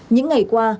những ngày qua